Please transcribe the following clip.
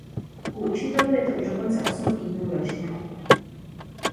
U učitelů je to už dokonce osm týdnů ročně.